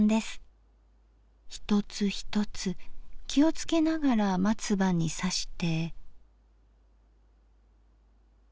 一つ一つ気をつけながら松葉にさして。